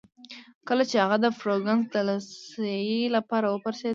کله چي هغه د فرګوسن د دلاسايي لپاره ورپاڅېدل.